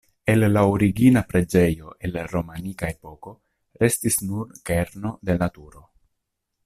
El la origina preĝejo el romanika epoko restis nur kerno de la turo.